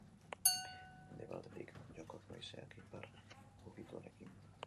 Mendebaldetik joko du haizeak, ipar ukituarekin.